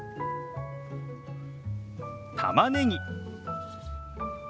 たまねぎ。